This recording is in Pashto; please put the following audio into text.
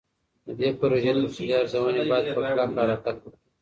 د دې پروژې تفصیلي ارزوني باید په کلکه حرکت وکړي.